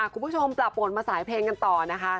คุณผู้ชมตลอดปรวนมาสายเพลงกันต่อนะคะ